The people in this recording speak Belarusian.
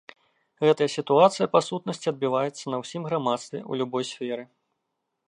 Гэтая сітуацыя па сутнасці адбіваецца на ўсім грамадстве, у любой сферы.